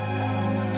gitu mon senyum